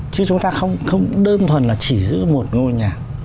chứ chúng ta không đơn thuần là chỉ giữ một ngôi nhà